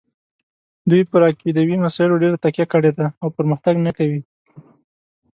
دوی پر عقیدوي مسایلو ډېره تکیه کړې ده او پرمختګ نه کوي.